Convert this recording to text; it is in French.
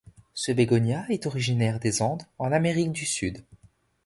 Ce bégonia est originaire des Andes, en Amérique du Sud.